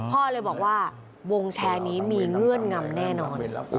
พ่อเลยบอกว่าวงแชร์นี้มีเงื่อนงำแน่นอน